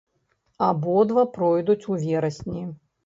Абодва пройдуць у верасні.